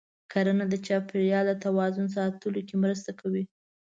کرنه د چاپېریال د توازن ساتلو کې مرسته کوي.